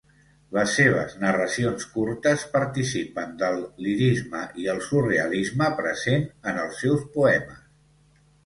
Les seves narracions curtes participen del lirisme i el surrealisme presents en els seus poemes.